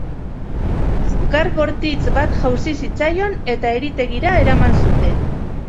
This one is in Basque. Sukar bortitz bat jauzi zitzaion eta eritegira eraman zuten.